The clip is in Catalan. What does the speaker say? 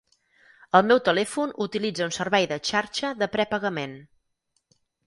El meu telèfon utilitza un servei de xarxa de prepagament.